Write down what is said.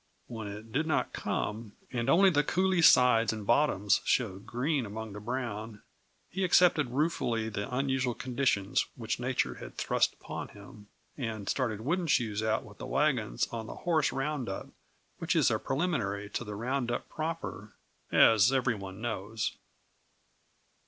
When it did not come, and only the coulee sides and bottoms showed green among the brown, he accepted ruefully the unusual conditions which nature had thrust upon him, and started "Wooden Shoes" out with the wagons on the horse round up, which is a preliminary to the roundup proper, as every one knows.